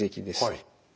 はい。